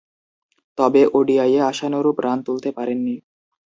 তবে, ওডিআইয়ে আশানুরূপ রান তুলতে পারেননি।